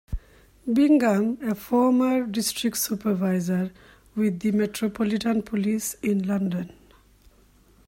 Bingham, a former District Supervisor with the Metropolitan Police in London.